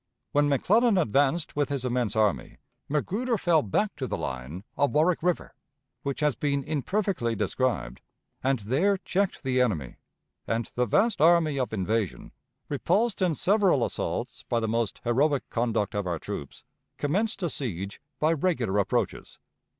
When McClellan advanced with his immense army, Magruder fell back to the line of Warwick River, which has been imperfectly described, and there checked the enemy; and the vast army of invasion, repulsed in several assaults by the most heroic conduct of our troops, commenced a siege by regular approaches.